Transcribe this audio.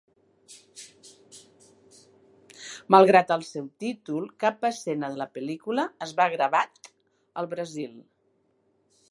Malgrat el seu títol, cap escena de la pel·lícula es va gravat al Brasil.